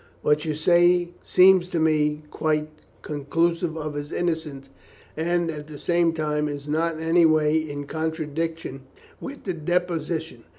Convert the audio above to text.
What you say seems to me quite conclusive of his innocence, and, at the same time, is not in any way in contradiction with the deposition.